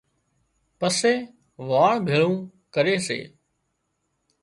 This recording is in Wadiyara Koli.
پسي واڻ ڀيۯون ڪري سي